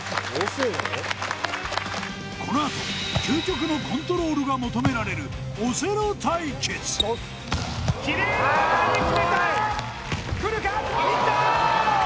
このあと究極のコントロールが求められるオセロ対決くるか？